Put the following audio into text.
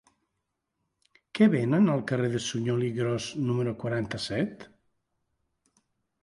Què venen al carrer de Suñol i Gros número quaranta-set?